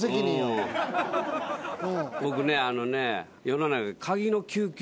僕ねあのね。